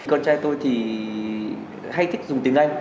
con trai tôi thì hay thích dùng tiếng anh